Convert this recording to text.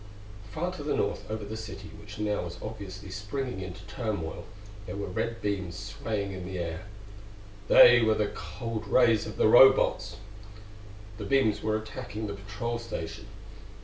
Far to the north over the city which now was obviously springing into turmoil, there were red beams swaying in the air. They were the cold rays of the Robots! The beams were attacking the patrol station.